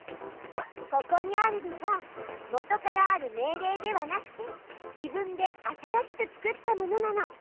ここにあるのはもとからある命令ではなくて自分で新しく作ったものなの。